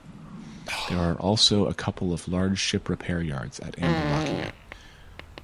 There are also a couple of large ship repair yards at Ambelakia.